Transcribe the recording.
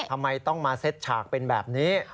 ทำไมต้องมาเซ็ตฉากเป็นแบบนี้